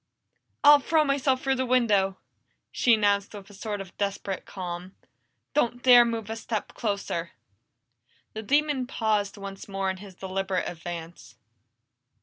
"I'll throw myself through the window!" she announced with a sort of desperate calm. "Don't dare move a step closer!" The demon paused once more in his deliberate advance.